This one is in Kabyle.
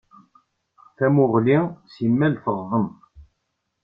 Tamuɣli s imal teɣḍem.